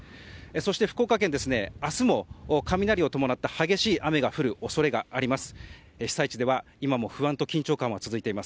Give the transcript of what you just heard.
そして、福岡県は明日も雷を伴った激しい雨が降る恐れがあります。